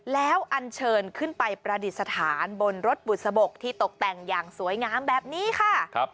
แล้วอันเชิญขึ้นไปประดิษฐานบนรถบุษบกที่ตกแต่งอย่างสวยงามแบบนี้ค่ะ